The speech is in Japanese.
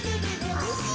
おいしい！